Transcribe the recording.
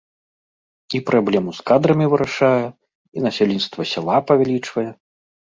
І праблему з кадрамі вырашае, і насельніцтва сяла павялічвае.